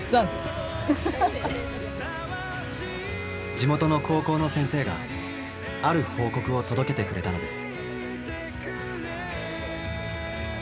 地元の高校の先生がある報告を届けてくれたのです。